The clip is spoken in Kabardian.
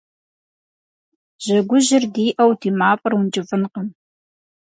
Жьэгужьыр диӏэу ди мафӏэр ункӏыфӏынкъым.